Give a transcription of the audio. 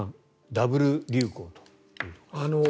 ダブル流行というところです。